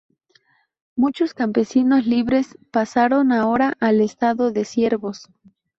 Muchos campesinos libres pasaron ahora al estado de siervos.